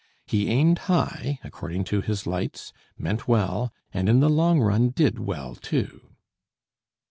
He aimed high, according to his lights, meant well, and in the long run did well too.